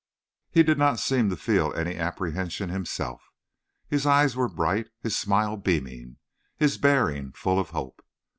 He did not seem to feel any apprehension himself. His eyes were bright; his smile beaming; his bearing full of hope.